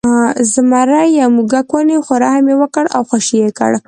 زمري یو موږک ونیو خو رحم یې وکړ او خوشې یې کړ.